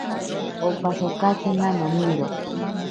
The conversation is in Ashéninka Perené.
Opasatakena noniro.